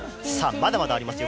まだまだあります。